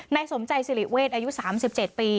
นายสมใจสิริเวศอายุ๓๗ปี